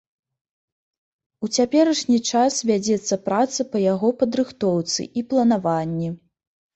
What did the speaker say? У цяперашні час вядзецца праца па яго падрыхтоўцы і планаванні.